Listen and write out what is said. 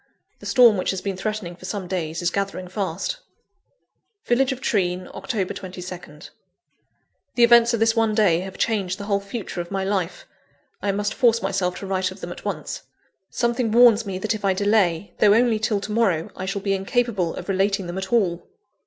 The storm which has been threatening for some days, is gathering fast. (Village of Treen, October 22nd.) The events of this one day have changed the whole future of my life. I must force myself to write of them at once. Something warns me that if I delay, though only till to morrow, I shall be incapable of relating them at all.